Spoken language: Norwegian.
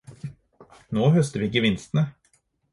Nå høster vi gevinstene.